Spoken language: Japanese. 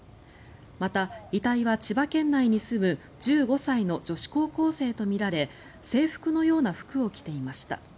また、遺体は千葉県内に住む１５歳の女子高校生とみられ制服のような服を着ていました。